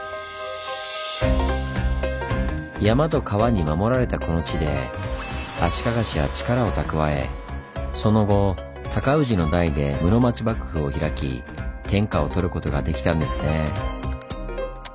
山と川に守られたこの地で足利氏は力を蓄えその後尊氏の代で室町幕府を開き天下をとることができたんですねぇ。